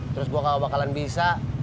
terus gue gak bakalan bisa